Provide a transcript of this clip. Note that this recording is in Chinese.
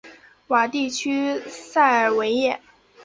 瓦地区塞尔维耶。